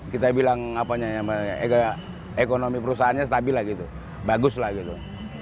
kita bilang apanya ya ekonomi perusahaannya stabil lah gitu bagus lah gitu